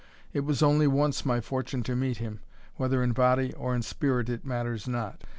It was only once my fortune to meet him, whether in body or in spirit it matters not.